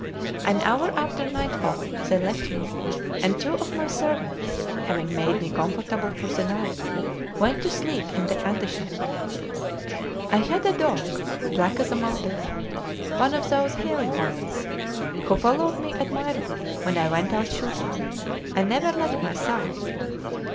An hour after nightfall they left me; and two of my servants, having made me comfortable for the night, went to sleep in the antechamber. I had a dog, black as a mulberry, one of those hairy ones, who followed me admirably when I went out shooting, and never left my side.